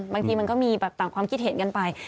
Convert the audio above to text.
บางทีมันก็มีแบบต่างความคิดเห็นกันไป